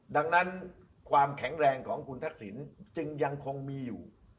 ดังนั้นความแข็งแรงของคุณทักษิณจึงยังคงมีอยู่